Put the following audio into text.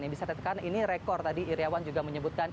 yang bisa dikatakan ini rekor tadi iryawan juga menyebutkan